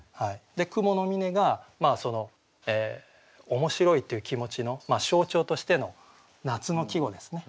「雲の峰」がその面白いという気持ちの象徴としての夏の季語ですね。